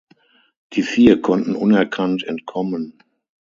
Die vier konnten unerkannt entkommen.